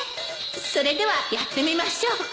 それではやってみましょうか